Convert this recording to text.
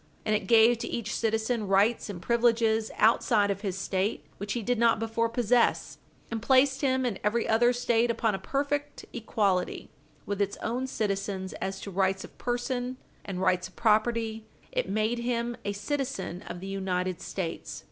And it gave to each citizen rights and privileges outside of his State Page 60 U. S. 407 which he did not before possess, and placed him in every other State upon a perfect equality with its own citizens as to rights of person and rights of property; it made him a citizen of the United States.